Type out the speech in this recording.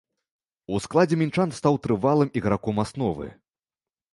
У складзе мінчан стаў трывалым іграком асновы.